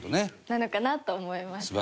なのかなと思いました。